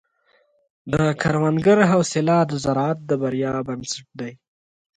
د کروندګر حوصله د زراعت د بریا بنسټ دی.